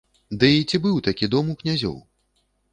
Дый ці быў такі дом у князёў?